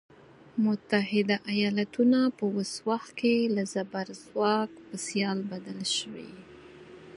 متحده ایالتونه په اوس وخت کې له زبرځواک په سیال بدل شوی.